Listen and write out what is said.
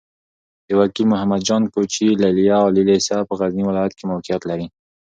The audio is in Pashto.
د وکيل محمد جان کوچي ليليه عالي لېسه په غزني ولايت کې موقعيت لري.